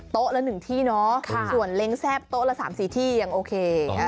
ละ๑ที่เนาะส่วนเล้งแซ่บโต๊ะละ๓๔ที่ยังโอเค